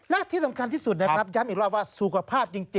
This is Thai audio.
และที่สำคัญที่สุดนะครับย้ำอีกรอบว่าสุขภาพจริง